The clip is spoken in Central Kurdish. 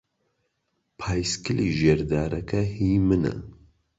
پایسکلی ژێر دارەکە هیی منە.